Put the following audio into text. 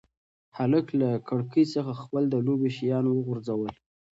هلک له کړکۍ څخه خپل د لوبو شیان وغورځول.